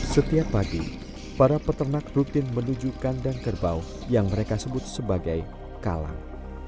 setiap pagi para peternak rutin menuju kandang kerbau yang mereka sebut sebagai kalang